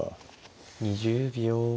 ２０秒。